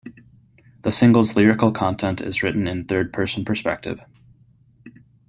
The single's lyrical content is written in third-person perspective.